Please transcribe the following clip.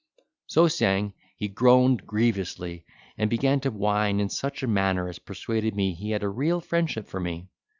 So saying he groaned grievously, and began to whine in such a manner, as persuaded me he had a real friendship for me.